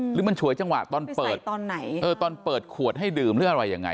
หรือมันฉวยจังหวะตอนเปิดตอนไหนเออตอนเปิดขวดให้ดื่มหรืออะไรยังไง